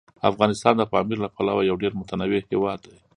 افغانستان د پامیر له پلوه یو ډېر متنوع هیواد دی.